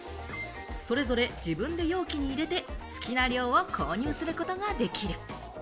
それぞれ自分で容器に入れて、好きな量を購入することができる。